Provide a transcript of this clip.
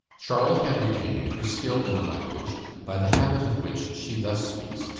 Charlotte had retained her skill in the language by the habit of which she thus speaks to M.